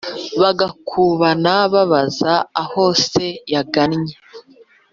Bagakubana babaza aho se yagannye